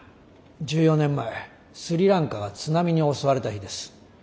１４年前スリランカが津波に襲われた日です。